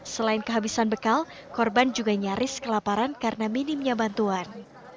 selain kehabisan bekal korban juga nyaris kelaparan karena minimnya bantuan